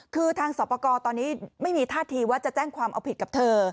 คือทางสอบประกอบตอนนี้ไม่มีท่าทีว่าจะแจ้งความเอาผิดกับเธอ